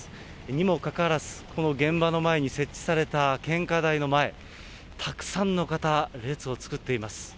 にもかかわらず、この現場の前に設置された献花台の前、たくさんの方、列を作っています。